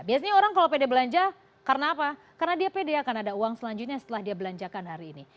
biasanya orang kalau pede belanja karena apa karena dia pede akan ada uang selanjutnya setelah dia belanjakan hari ini